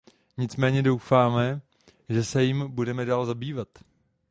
Nicméně doufáme, že se jím budeme dál zabývat.